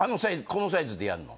このサイズでやんの？